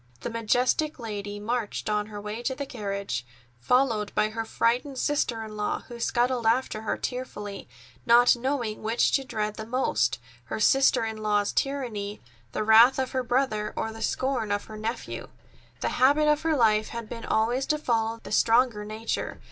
The majestic lady marched on her way to the carriage, followed by her frightened sister in law, who scuttled after her tearfully, not knowing which to dread the most, her sister in law's tyranny, the wrath of her brother, or the scorn of her nephew. The habit of her life had been always to follow the stronger nature.